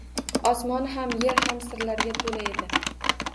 Osmon ham, yer ham sirlarga to‘la edi.